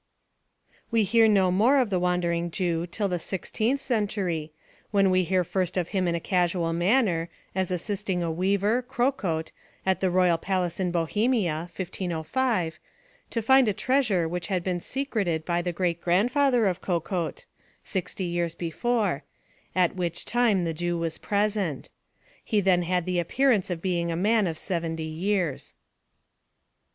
We hear no more of the wandering Jew till the sixteenth century, when we hear first of him in a casual manner, as assisting a weaver, Kokot, at the royal palace in Bohemia (1505), to find a treasure which had been secreted by the great grandfather of Kokot, sixty years before, at which time the Jew was present. He then had the appearance of being a man of seventy years.